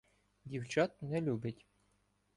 Дівчат не любить.